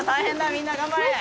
みんな頑張れ！